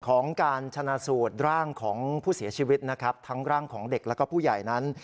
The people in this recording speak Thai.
ของการชนะสูตรร่างของผู้เสียชีวิตนะครับทั้งร่างของเด็กแล้วก็ผู้ใหญ่นั้น